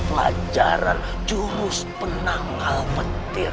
kamu itu sudah punya penangkan ger